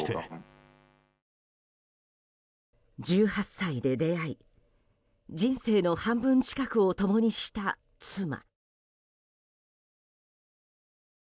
１８歳で出会い人生の半分近くを共にした妻。